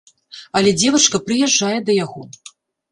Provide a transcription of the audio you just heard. Але дзевачка прыязджае да яго.